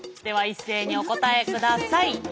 では一斉にお答えください。